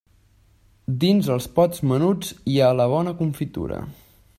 Dins els pots menuts hi ha la bona confitura.